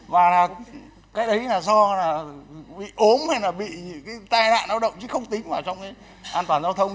và là cái đấy là do là bị ốm hay là bị cái tai nạn lao động chứ không tính vào trong cái an toàn giao thông